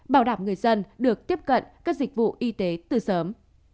bảo đảm người dân được tiếp cận các dịch vụ y tế từ sớm